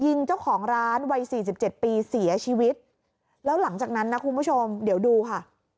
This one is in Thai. ยิงเจ้าของร้านวัยสี่สิบเจ็ดปีเสียชีวิตแล้วหลังจากนั้นนะคุณผู้ชมเดี๋ยวดูค่ะ